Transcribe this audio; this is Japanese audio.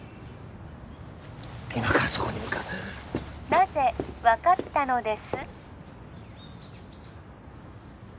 今からそこに向かうなぜ分かったのです？